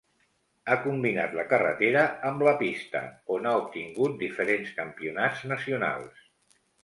Ha combinat la carretera amb la pista on ha obtingut diferents campionats nacionals.